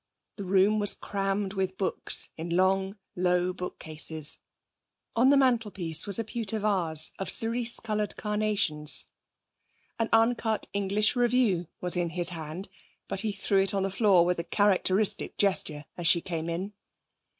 The room was crammed with books in long, low bookcases. On the mantelpiece was a pewter vase of cerise coloured carnations. An uncut English Review was in his hand, but he threw it on the floor with a characteristic gesture as she came in.